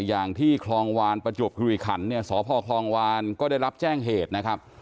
อย่างที่คลองวานประจวบคิริขันเนี่ยสพคลองวานก็ได้รับแจ้งเหตุนะครับ